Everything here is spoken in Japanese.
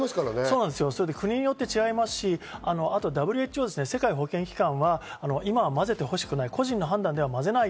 国によって違いますし、あとＷＨＯは今は混ぜてほしくない。